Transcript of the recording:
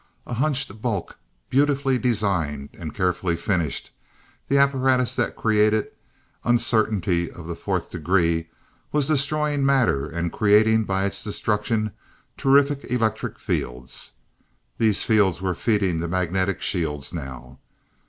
A hunched bulk, beautifully designed and carefully finished, the apparatus that created 'Uncertainty of the Fourth Degree' was destroying matter, and creating by its destruction terrific electric fields. These fields were feeding the magnetic shield now.